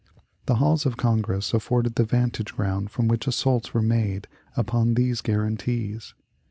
The halls of Congress afforded the vantage ground from which assaults were made upon these guarantees.